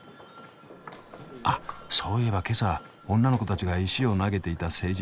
あそういえば今朝女の子たちが石を投げていた聖人さん。